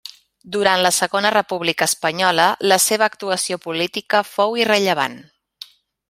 Durant la Segona República Espanyola la seva actuació política, fou irrellevant.